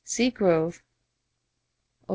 (See Grove, op.